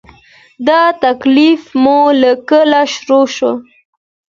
دا تکلیف مو له کله شروع شو؟